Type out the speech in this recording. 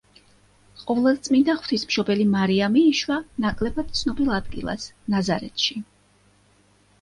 ყოვლადწმინდა ღვთისმშობელი მარიამი იშვა ნაკლებად ცნობილ ადგილას, ნაზარეთში.